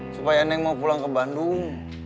supaya neng mau pulang ke bandung